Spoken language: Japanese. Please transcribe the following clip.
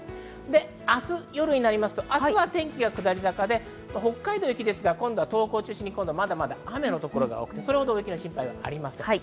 明日、夜になりますと明日は天気が下り坂で、北海道は雪ですが、東北を中心にまだまだ雨の所が多くてそれほど雪の心配はありません。